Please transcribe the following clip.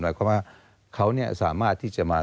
เพราะว่าเขาสามารถที่จะมา